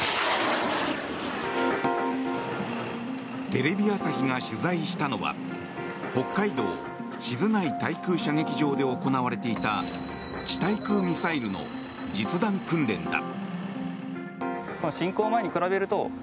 テレビ朝日が取材したのは北海道・静内対空射撃場で行われていた地対空ミサイルの実弾訓練だ。